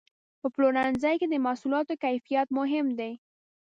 په پلورنځي کې د محصولاتو کیفیت مهم دی.